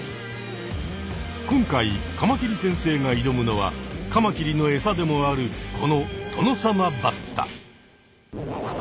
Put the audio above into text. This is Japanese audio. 今回カマキリ先生がいどむのはカマキリのエサでもあるこのトノサマバッタ。